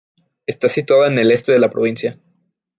Está situada en el este de la provincia.